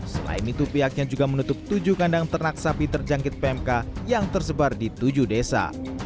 selain itu pihaknya juga menutup tujuh kandang ternak sapi terjangkit pmk yang tersebar di tujuh desa